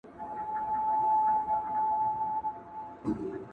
د دې قلا او د خانیو افسانې یادي وې٫